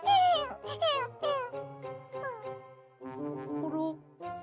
コロ？